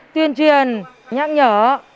tuyên truyền nhắc nhở